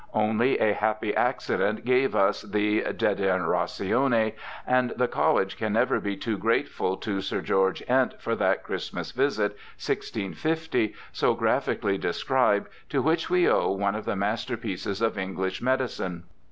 Only a happy accident gave us the De Genera tione, and the College can never be too grateful to Sir George Ent for that Christmas visit, 1650, so graphically described, to which we owe one of the masterpieces of English medicine.